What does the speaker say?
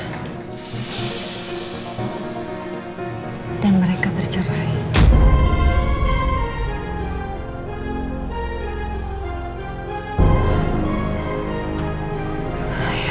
hai dan mereka berdua akan menyerah dan mereka akan menyerah